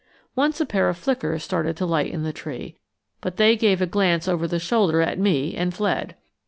Once a pair of flickers started to light in the tree, but they gave a glance over the shoulder at me and fled.